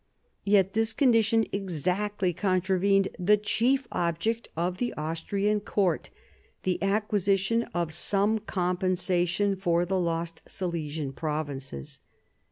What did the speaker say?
Yet this condition exactly contra vened the chief object of the Austrian court, the acquisition of some compensation for the lost Silesian provinces.